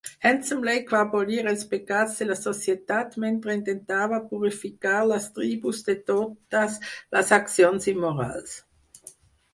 Handsome Lake va abolir els pecats de la societat, mentre intentava purificar les tribus de totes les accions immorals.